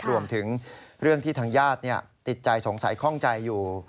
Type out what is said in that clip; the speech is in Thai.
รวมถึงเรื่องที่ทางญาติติดใจสงสัยข้องใจอยู่